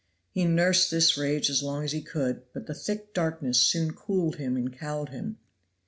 He nursed this rage as long as he could, but the thick darkness soon cooled him and cowed him.